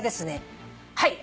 はい。